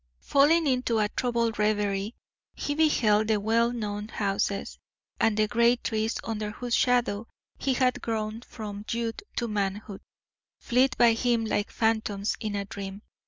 Falling into a troubled reverie, he beheld the well known houses, and the great trees under whose shadow he had grown from youth to manhood, flit by him like phantoms in a dream.